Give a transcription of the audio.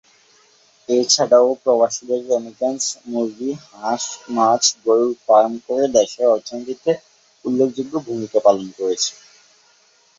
এছাড়াও প্রবাসীদের রেমিটেন্স, মুরগি, হাঁস, মাছ, গরুর ফার্ম করে দেশের অর্থনীতিতে উল্লেখযোগ্য ভূমিকা পালন করছে।